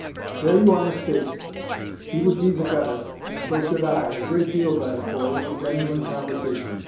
"There, you are mistaken. He would be the better, and so should I, a great deal better, for a little genuine conversation."